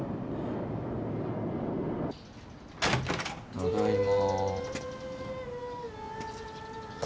ただいま。